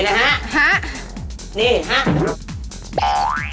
แบบนี้นะคะ